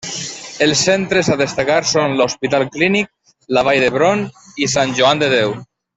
Els centres a destacar són: l’Hospital Clínic, la Vall d’Hebron i Sant Joan de Déu.